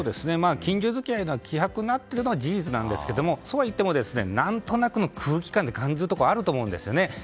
近所付き合いが希薄になっているのは事実なんですけどそうはいっても何となくの空気感で感じるところはあると思うんですよね。